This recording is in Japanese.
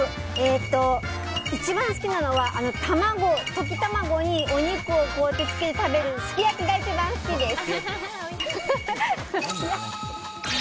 一番好きなのは、溶き卵にお肉をこうやってつけて食べるすき焼きが一番好きです。